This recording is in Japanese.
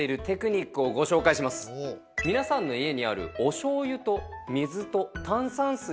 皆さんの家にあるおしょうゆと水と炭酸水があればですね